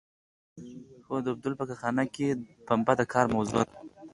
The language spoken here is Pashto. هو د اوبدلو په کارخانه کې پنبه د کار موضوع ده.